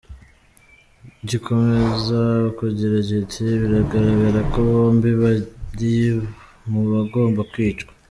Gikomeza kigira kiti “Biragaragara ko bombi bari mu bagomba kwicwa.